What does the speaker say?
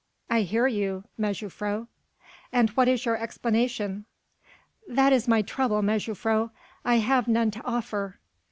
"I hear you, mejuffrouw." "And what is your explanation?" "That is my trouble, mejuffrouw. I have none to offer."